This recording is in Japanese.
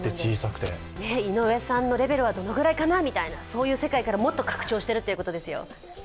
井上さんのレベルはどのくらいかな、そういう世界からもっと拡張しているということですよ。